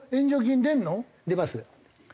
出ます。